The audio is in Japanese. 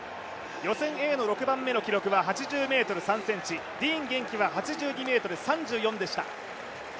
予選Ａ組の６番目の記録は８０ｍ３ディーン元気は８２ｍ３４でした。